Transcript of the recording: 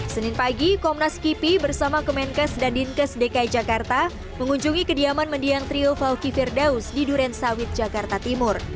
senin pagi komnas kipi bersama kemenkes dan dinkes dki jakarta mengunjungi kediaman mendiang trio fawki firdaus di duren sawit jakarta timur